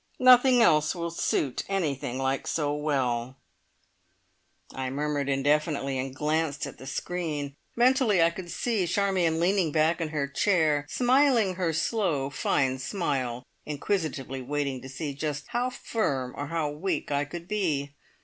"Nothing else will suit anything like so well." I murmured indefinitely, and glanced at the screen. Mentally I could see Charmion leaning back in her chair, smiling her slow fine smile, inquisitively waiting to see just how firm or how weak I could be.